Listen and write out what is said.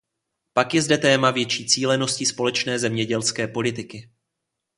Pak je zde téma větší cílenosti společné zemědělské politiky.